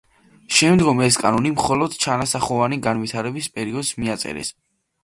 შემდგომ ეს კანონი მხოლოდ ჩანასახოვანი განვითარების პერიოდს მიაწერეს.